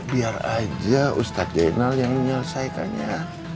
biar aja ustaz jainal yang menyelesaikannya